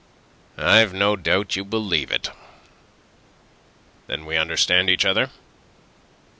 "I've no doubt you believe it. Then we understand each other?"